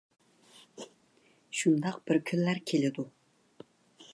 شۇنداق بىر كۈنلەر كېلىدۇ.